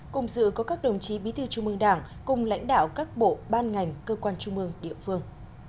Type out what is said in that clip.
cùng dự có các đồng chí bí thư trung mương đảng cùng lãnh đạo các bộ ban ngành cơ quan trung mương địa phương